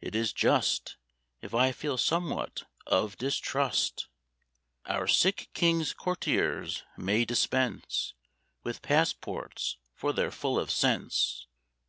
It is just If I feel somewhat of distrust. Our sick King's courtiers may dispense With passports, for they're full of sense.